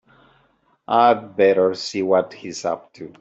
I'd better see what he's up to.